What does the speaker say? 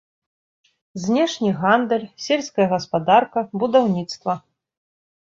Знешні гандаль, сельская гаспадарка, будаўніцтва.